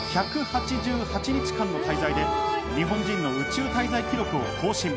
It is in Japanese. １８８日間の滞在で、日本人の宇宙滞在記録を更新。